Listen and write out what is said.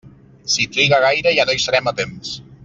Si triga gaire ja no hi serem a temps.